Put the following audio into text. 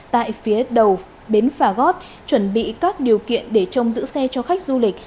tại phía đầu bến phà gót chuẩn bị các điều kiện để trông giữ xe cho khách du lịch